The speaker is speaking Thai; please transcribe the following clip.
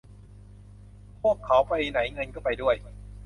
พวกเขาไปไหนเงินก็ไปด้วย